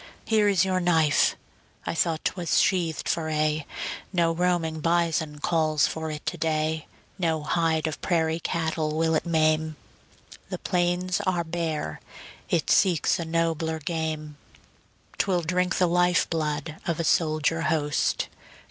Here is your knife! I thought 'twas sheathed for aye. No roaming bison calls for it to day; No hide of prairie cattle will it maim; The plains are bare, it seeks a nobler game: 'Twill drink the life blood of a soldier host.